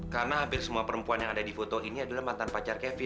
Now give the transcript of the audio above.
karena hampir semua perempuan yang ada di foto ini adalah perempuan yang terkaya